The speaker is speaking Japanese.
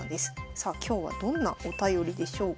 さあ今日はどんなお便りでしょうか。